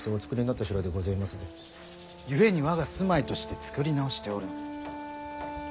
ゆえに我が住まいとして造り直しておる。